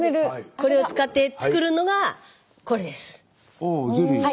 これを使って作るのがこれです。